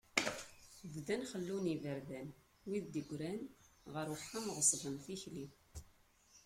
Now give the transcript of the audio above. Bdan xellun iberdan, wid i d-yegran, ɣer wexxam ɣeṣben tikli.